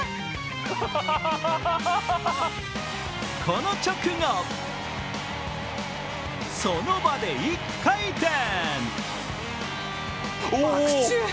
この直後、その場で１回転。